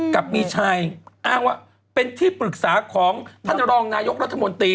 กับมีชัยอ้างว่าเป็นที่ปรึกษาของท่านรองนายกรัฐมนตรี